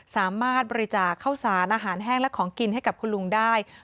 สามารถบริจาคข้าวสารอาหารแห้งและของกินให้กับคุณลุงได้